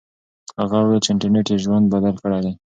هغه وویل چې انټرنیټ یې ژوند بدل کړی دی.